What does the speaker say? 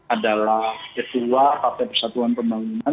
adalah ketua pak pesatuan pembangunan